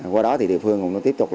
qua đó thì địa phương cũng tiếp tục